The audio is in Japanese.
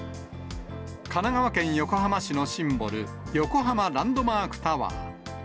神奈川県横浜市のシンボル、横浜ランドマークタワー。